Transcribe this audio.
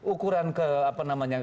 ukuran ke apa namanya